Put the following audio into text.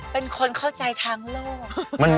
เป็นคนเข้าใจทางโลก